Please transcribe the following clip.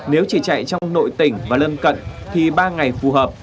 nếu chỉ chạy trong nội tỉnh và lân cận thì ba ngày phù hợp